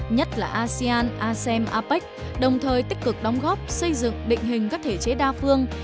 nhất là asean asem apec đồng thời tích cực đóng góp xây dựng định hình các thể chế đa phương